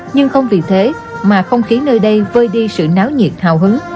nhưng không vì thế mà không khí nơi đây vơi đi sự náo nhiệt hào hứng